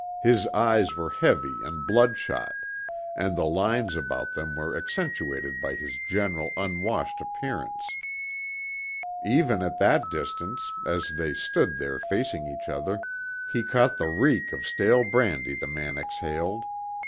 His eyes were heavy and bloodshot, and the lines about them were accentuated by his general unwashed appearance. Even at that distance, as they stood there facing each other, he caught the reek of stale brandy the man exhaled.